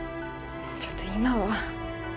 ちょっと今は。